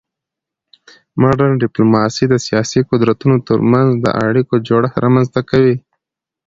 مډرن ډیپلوماسي د سیاسي قدرتونو ترمنځ د اړیکو جوړښت رامنځته کوي